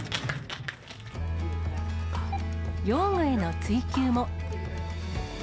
用具への追求も。